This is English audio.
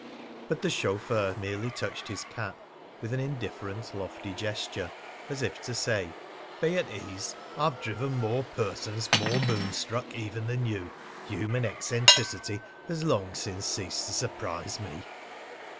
But the chauffeur merely touched his cap with an indifferent lofty gesture, as if to say: "Be at ease. I have driven more persons more moonstruck even than you. Human eccentricity has long since ceased to surprise me."